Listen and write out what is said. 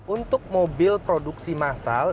untuk mobil produksi masal